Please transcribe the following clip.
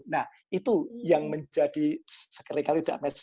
nah itu yang menjadi sekali kali tidak melepas